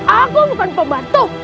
aku bukan pembantu